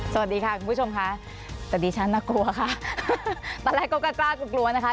สวัสดีค่ะคุณผู้ชมค่ะสวัสดีฉันนักกลัวค่ะฮ่าว่าละกล้ากล้ากลัวนะคะ